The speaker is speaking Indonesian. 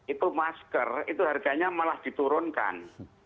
itu masker itu harganya malah diturunkan